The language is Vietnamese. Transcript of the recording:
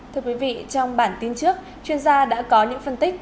thưa quý vị trong bản tin trước chuyên gia đã có những phân tích